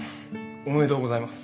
おめでとうございます。